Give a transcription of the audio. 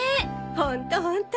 ホントホント。